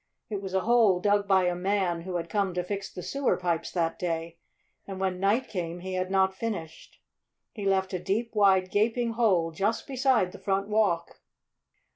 It was a hole dug by a man who had come to fix the sewer pipes that day, and when night came he had not finished. He left a deep, wide, gaping hole just beside the front walk.